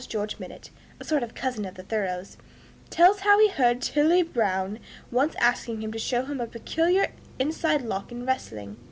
George Minott [a sort of cousin of the Thoreaus] tells how he heard Tilly Brown once asking him to show him a peculiar inside lock in wrestling.